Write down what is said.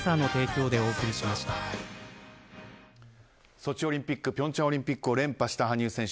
ソチオリンピック平昌オリンピックを連覇した羽生選手